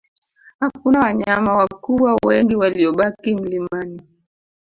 Hakuna wanyama wakubwa wengi waliobaki mlimani